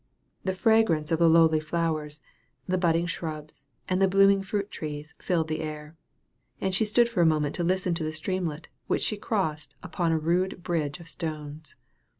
The fragrance of the lowly flowers, the budding shrubs, and the blooming fruit trees, filled the air; and she stood for a moment to listen to the streamlet which she crossed upon a rude bridge of stones.